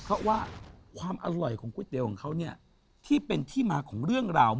เพราะว่าความอร่อยของก๋วยเตี๋ยวของเขาเนี่ยที่เป็นที่มาของเรื่องราว